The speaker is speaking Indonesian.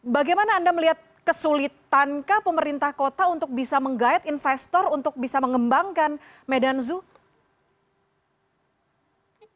bagaimana anda melihat kesulitankah pemerintah kota untuk bisa menggayat investor untuk bisa mengembangkan medan zoo